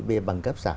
bề bằng cấp giả